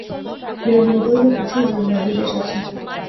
বিনোদিনী কহিল, কিছুই নয় ভাই, আমি বেশ আছি।